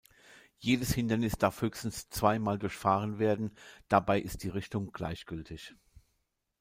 Jedes Hindernis darf höchstens zwei mal durchfahren werden, dabei ist die Richtung gleichgültig.